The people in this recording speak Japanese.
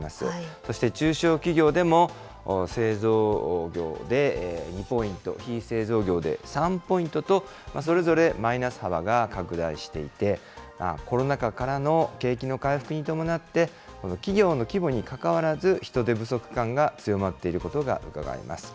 そして中小企業でも、製造業で２ポイント、非製造業で３ポイントと、それぞれマイナス幅が拡大していて、コロナ禍からの景気の回復に伴って、企業の規模にかかわらず人手不足感が強まっていることがうかがえます。